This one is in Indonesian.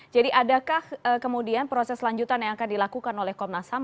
jadi adakah kemudian proses lanjutan yang akan dilakukan oleh komnas ham